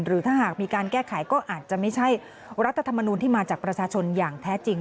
หรือถ้าหากมีการแก้ไขก็อาจจะไม่ใช่รัฐธรรมนูลที่มาจากประชาชนอย่างแท้จริง